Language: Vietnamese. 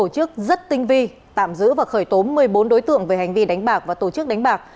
khi tạm giữ và khởi tốm một mươi bốn đối tượng về hành vi đánh bạc và tổ chức đánh bạc